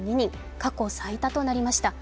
過去最多となりました。